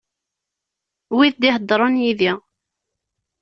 Wid d-iheddren yid-i.